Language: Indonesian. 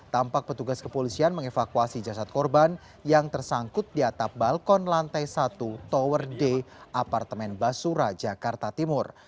tampak petugas kepolisian mengevakuasi jasad korban yang tersangkut di atap balkon lantai satu tower d apartemen basura jakarta timur